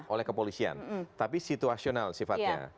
oleh kepolisian tapi situasional sifatnya